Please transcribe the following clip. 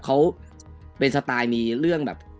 เขาเป็นสไตล์มีเรื่องแบบ